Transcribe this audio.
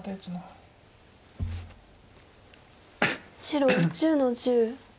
白１０の十。